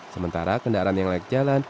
sementara kendaraan yang layak jalan